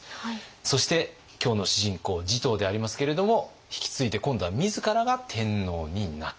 そして今日の主人公持統でありますけれども引き継いで今度は自らが天皇になった。